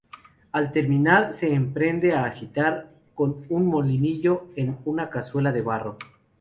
Al terminar, se emprende a agitar con un "molinillo" en una cazuela de barro.